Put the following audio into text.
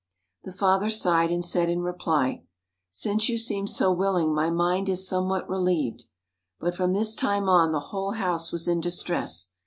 The father sighed, and said in reply, "Since you seem so willing, my mind is somewhat relieved." But from this time on the whole house was in distress.